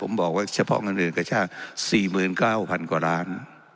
ผมบอกว่าเฉพาะเงินเรือกระชาก๔๙๐๐กว่าล้าน